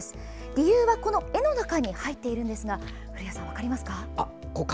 理由は、この絵の中に入っているんですが古谷さん、分かりますか。